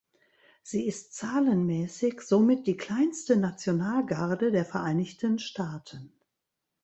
Sie ist zahlenmäßig somit die kleinste Nationalgarde der Vereinigten Staaten.